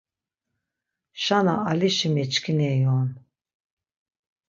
Şana Alişi meçkineri on.